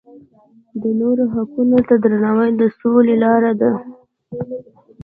د نورو حقونو ته درناوی د سولې لاره ده.